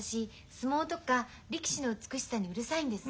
相撲とか力士の美しさにうるさいんです。